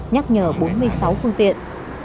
nhắc nhờ bốn mươi sáu phương tiện